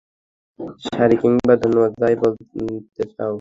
Sorry কিংবা ধন্যবাদ, যাই বলতে চাও!